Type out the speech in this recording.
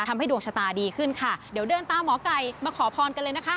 ดวงชะตาดีขึ้นค่ะเดี๋ยวเดินตามหมอไก่มาขอพรกันเลยนะคะ